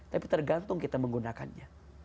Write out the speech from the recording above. tapi tergantung kita menggunakannya